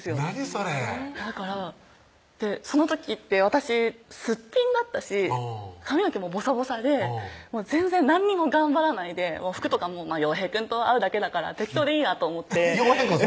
それその時って私すっぴんだったし髪の毛もボサボサで全然何にも頑張らないで服とかもヨウヘイくんと会うだけだから適当でいいなと思ってヨウヘイくん